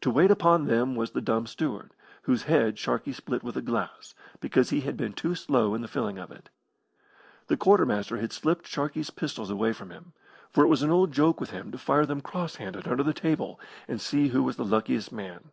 To wait upon them was the dumb steward, whose head Sharkey split with a glass, because he had been too slow in the filling of it. The quarter master has slipped Sharkey's pistols away from him, for it was an old joke with him to fire them cross handed under the table and see who was the luckiest man.